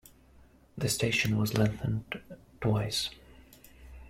The station was lengthened twice.